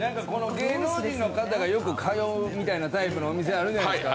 芸能人の方がよく通うタイプの店あるじゃないですか。